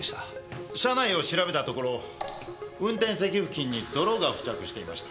車内を調べたところ運転席付近に泥が付着していました。